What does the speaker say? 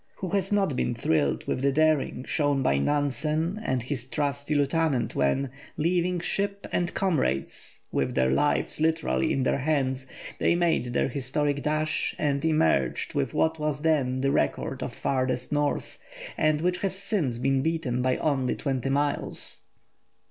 Who has not been thrilled with the daring shown by Nansen and his trusty lieutenant when, leaving ship and comrades, with their lives literally in their hands, they made their historic dash and emerged with what was then the record of "Farthest North," and which has since been beaten by only twenty miles?